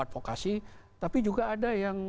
advokasi tapi juga ada yang